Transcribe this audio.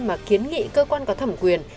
mà kiến nghị cơ quan có thẩm quyền